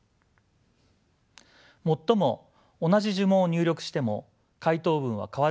もっとも同じ呪文を入力しても回答文は変わることがあります。